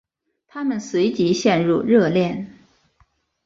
他们随即陷入热恋。